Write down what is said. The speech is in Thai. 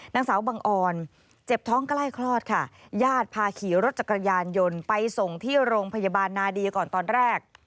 นางสาวบังออนเจ็บท้องใกล้คลอดค่ะญาติพาขี่รถจักรยานยนต์ไปส่งที่โรงพยาบาลนาเดียก่อนตอนแรก